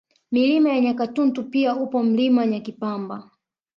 Milima ya Nyakatuntu pia upo Mlima Nyakipamba